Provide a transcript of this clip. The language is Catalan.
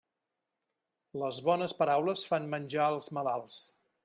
Les bones paraules fan menjar els malalts.